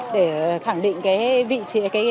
để khẳng định cái vị trí